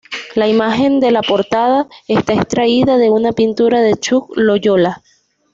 La imagen de la portada está extraída de una pintura de Chuck Loyola.